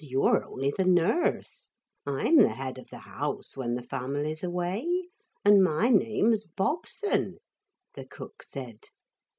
You're only the nurse I'm the head of the house when the family's away, and my name's Bobson,' the cook said.